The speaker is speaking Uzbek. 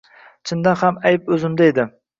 Chindan ham ayb o`zimda edi